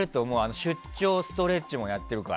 出張ストレッチもやってるから。